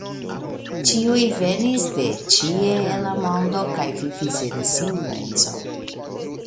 Ĉiuj venis de ĉie el la mondo kaj vivis en simpleco.